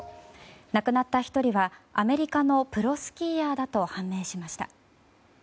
亡くなった１人はアメリカのプロスキーヤーだと判明しました。